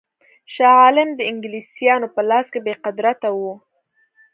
شاه عالم د انګلیسیانو په لاس کې بې قدرته وو.